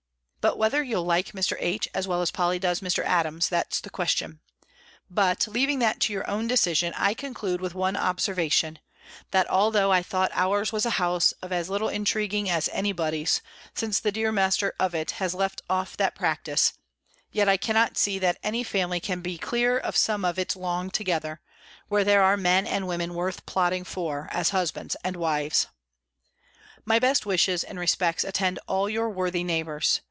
But whether you'll like Mr. H. as well as Polly does Mr. Adams, that's the question. But, leaving that to your own decision, I conclude with one observation; that, although I thought our's was a house of as little intriguing as any body's, since the dear master of it has left off that practice, yet I cannot see, that any family can be clear of some of it long together, where there are men and women worth plotting for, as husbands and wives. My best wishes and respects attend all your worthy neighbours.